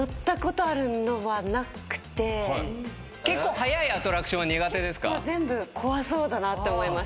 速いアトラクションは苦手ですか？